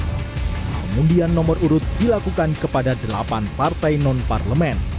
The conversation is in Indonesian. pengundian nomor urut dilakukan kepada delapan partai non parlemen